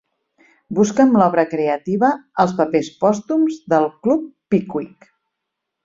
Busca'm l'obra creativa Els papers pòstums del Club Pickwick